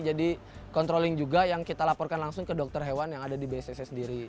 jadi kontroling juga yang kita laporkan langsung ke dokter hewan yang ada di bstc sendiri